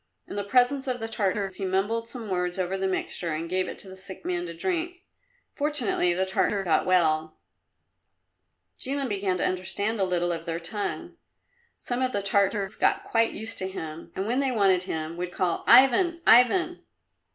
In the presence of the Tartars he mumbled some words over the mixture, and gave it to the sick man to drink. Fortunately the Tartar got well. Jilin began to understand a little of their tongue. Some of the Tartars got quite used to him, and when they wanted him would call "Ivan, Ivan!"